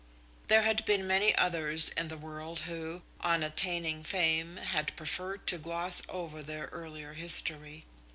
There had been many others in the world who, on attaining fame, had preferred to gloss over their earlier history.